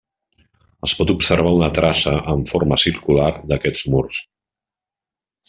Es pot observar una traça en forma circular d'aquests murs.